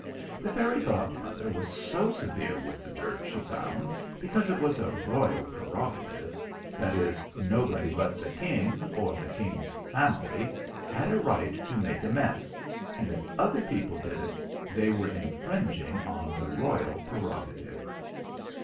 "The fairy godmother was so severe with the dirt she found because it was a royal prerogative that is, nobody but the King, or the King's family, had a right to make a mess, and if other people did it, they were infringing on the royal prerogative.